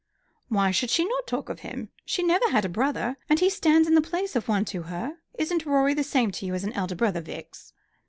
"Why should she not talk of him? She never had a brother, and he stands in the place of one to her. Isn't Rorie the same to you as an elder brother, Vix?"